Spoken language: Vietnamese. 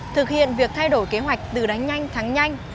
thực hiện việc thay đổi kế hoạch từ đánh nhanh thắng nhanh